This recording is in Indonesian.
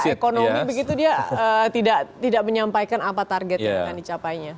secara ekonomi begitu dia tidak menyampaikan apa target yang akan dicapainya